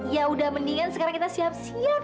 ya udah mendingan sekarang kita siap siap